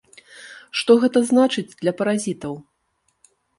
Што гэта значыць для паразітаў?